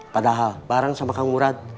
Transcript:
padahal bareng sama kang urat